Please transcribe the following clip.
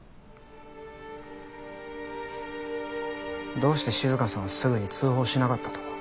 どうして静香さんはすぐに通報しなかったと思う？